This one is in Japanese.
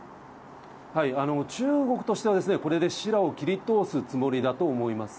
中国としてはこれでしらを切りとおすつもりだと思います。